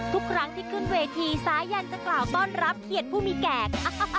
ทุกครั้งที่ขึ้นเวทีสายันจะกล่าวต้อนรับเขียนผู้มีแก่